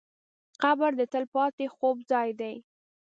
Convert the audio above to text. قبر د تل پاتې خوب ځای دی.